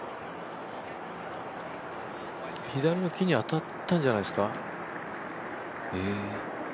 左の木に当たったんじゃないですか？